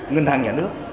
ngân hàng nhà nước